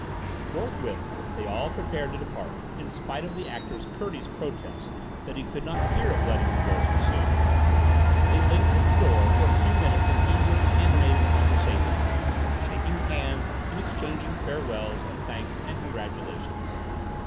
Forthwith they all prepared to depart, in spite of the actor's courteous protests that he could not hear of letting them go so soon. They lingered at the door for a few minutes in eager, animated conversation, shaking hands and exchanging farewells and thanks and congratulations.